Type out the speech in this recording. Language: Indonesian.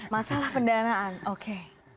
masalah pendanaan oke